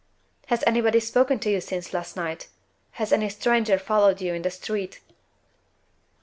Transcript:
"Has anybody spoken to you since last night? Has any stranger followed you in the street?"